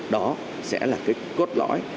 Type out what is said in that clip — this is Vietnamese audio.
đó sẽ là cái cốt lõi